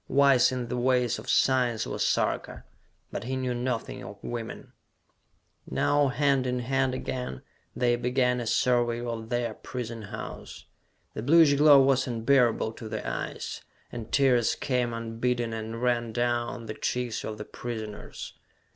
Wise in the ways of science was Sarka, but he knew nothing of women! Now hand in hand again, they began a survey of their prison house. The bluish glow was unbearable to the eyes, and tears came unbidden and ran down the cheeks of the prisoners.